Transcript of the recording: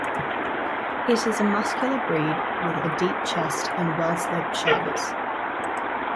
It is a muscular breed, with a deep chest and well-sloped shoulders.